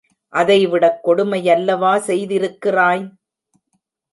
அதைவிடக் கொடுமையல்லவா செய்திருக்கிறாய்!